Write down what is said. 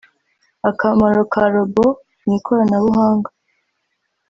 akamaro ka robo mu ikoranabuhanga